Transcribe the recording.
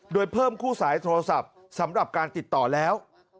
โดยเพิ่มคู่สายโทรศัพท์สำหรับการติดต่อแล้ว